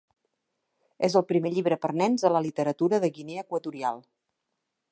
És el primer llibre per a nens de la literatura de Guinea Equatorial.